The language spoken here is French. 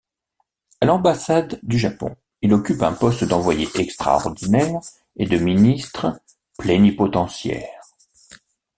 À l'ambassade du Japon, il occupe un poste d'envoyé extraordinaire et de ministre plénipotentiaire.